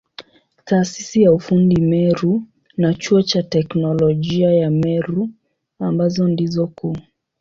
Taasisi ya ufundi Meru na Chuo cha Teknolojia ya Meru ambazo ndizo kuu.